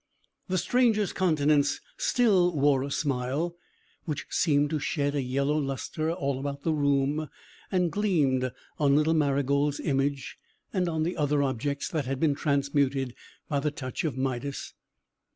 The stranger's countenance still wore a smile, which seemed to shed a yellow lustre all about the room, and gleamed on little Marygold's image, and on the other objects that had been transmuted by the touch of Midas.